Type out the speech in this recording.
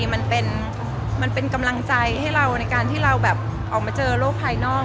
มันเป็นกำลังใจให้เราในการที่เราแบบออกมาเจอโรคภายนอก